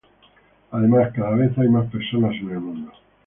Además, cada vez hay más personas en el mundo.